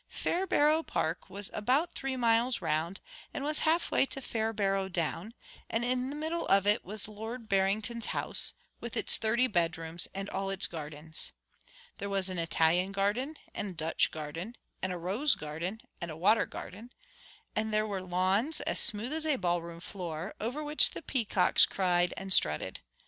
Fairbarrow Park was about three miles round, and was half way to Fairbarrow Down; and in the middle of it was Lord Barrington's house, with its thirty bedrooms and all its gardens. There was an Italian garden and a Dutch garden and a rose garden and a water garden; and there were lawns as smooth as a ballroom floor, over which the peacocks cried and strutted.